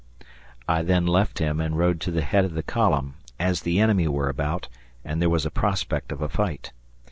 I then left him and rode to the head of the column, as the enemy were about, and there was a prospect of a fight.